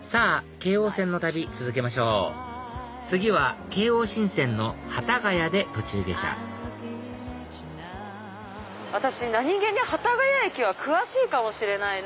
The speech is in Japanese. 京王線の旅続けましょう次は京王新線の幡ヶ谷で途中下車私何げに幡ヶ谷駅は詳しいかもしれないな。